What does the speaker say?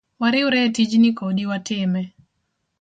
Wariwre etijni kodi watime.